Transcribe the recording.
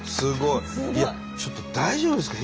いやちょっと大丈夫ですか？